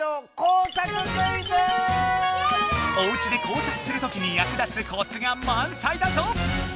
おうちで工作するときにやく立つコツがまんさいだぞ！